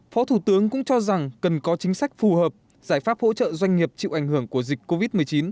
phó thủ tướng cũng cho rằng cần có chính sách phù hợp giải pháp hỗ trợ doanh nghiệp chịu ảnh hưởng của dịch covid một mươi chín